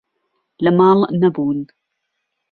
لە ماڵ نەبوون.